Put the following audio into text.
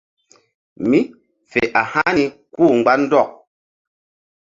Mí fe a hani kú-u mgba ndɔk.